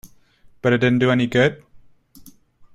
But it didn't do any good?